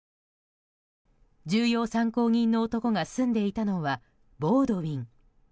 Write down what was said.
重要参考人の男が住んでいたのはボウドイン。